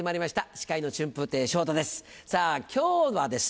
司会の春風亭昇太です